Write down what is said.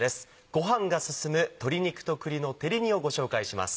ご飯が進む「鶏肉と栗の照り煮」をご紹介します。